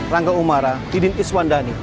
rangga umara idin iswandani